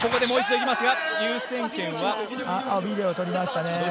ここはビデオを取りましたね。